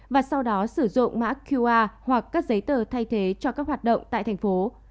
và sau đó sử dụng mã qr hoặc các giấy tờ thay thế cho các hoạt động tại thành phố